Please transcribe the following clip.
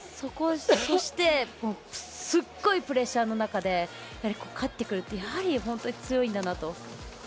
そしてすごいプレッシャーの中で勝ってくるって、本当に強いんだなと。